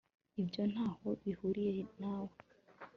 Ibyo ntaho bihuriye nawe